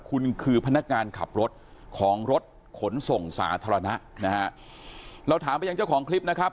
คุณคือพนักงานขับรถของรถขนส่งสาธารณะนะฮะเราถามไปยังเจ้าของคลิปนะครับ